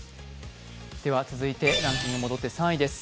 続いてランキングに戻って３位です。